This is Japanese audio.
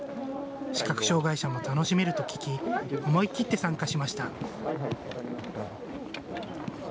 視覚障害者も楽しめると聞き思い切って参加しました。